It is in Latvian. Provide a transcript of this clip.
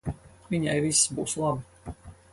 Viņai viss būs labi.